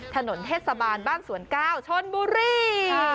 ถนนเทศบาลบ้านสวน๙ชนบุรี